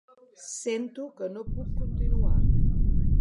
Sento que no puc continuar.